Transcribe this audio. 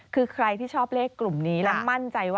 คือใครที่ชอบเลขกลุ่มนี้และมั่นใจว่า